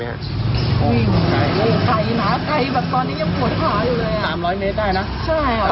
อ๋อไกลไกลมากไกลแบบตอนนี้ยังหวดผลาอยู่เลยอ่ะ